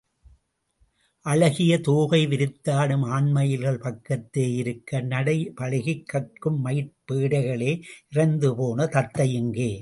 அழகிய தோகை விரித்தாடும் ஆண்மயில்கள் பக்கத்தே இருக்க, நடைபழகிக் கற்கும் மயிற் பேடைகளே இறந்து போன தத்தை எங்கே?